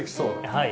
はい。